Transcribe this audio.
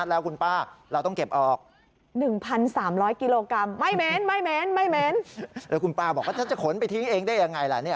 แล้วคุณป้าบอกว่าถ้าจะขนไปทิ้งเองได้ยังไงล่ะเนี่ย